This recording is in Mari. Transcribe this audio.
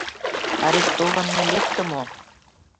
«Арестованный лекте мо?»